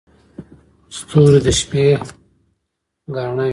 • ستوري د شپې ګاڼه وي.